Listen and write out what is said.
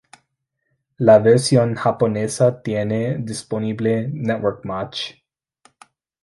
La versión Japonesa tiene disponible Network Match.